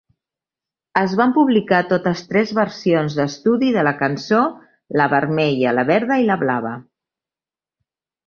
Es van publicar totes tres versions d'estudi de la cançó: la vermella, la verda i la blava.